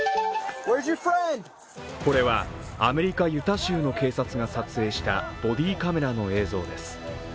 これはアメリカ・ユタ州の警察が撮影したボディーカメラの映像です。